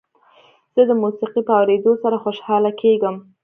زه د موسیقۍ په اورېدو سره خوشحاله کېږم.